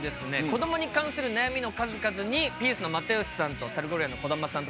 子どもに関する悩みの数々にピースの又吉さんとサルゴリラの児玉さん